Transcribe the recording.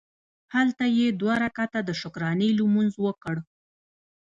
هلته یې دوه رکعته د شکرانې لمونځ وکړ.